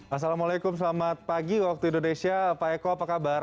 assalamualaikum selamat pagi waktu indonesia pak eko apa kabar